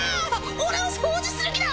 俺を掃除する気だ！